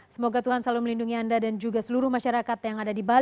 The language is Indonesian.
semoga tuhan selalu melindungi anda dan juga seluruh masyarakat yang ada di bali